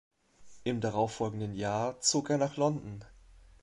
Im darauf folgenden Jahr zog er nach London.